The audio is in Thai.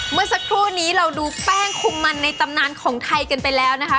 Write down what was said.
เมื่อสักครู่นี้เราดูแป้งคุมมันในตำนานของไทยกันไปแล้วนะคะ